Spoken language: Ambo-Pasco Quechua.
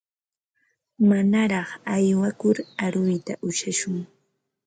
Manaraq aywakur aruyta ushashun.